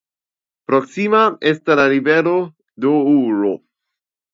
Proksima estas la rivero Doŭro.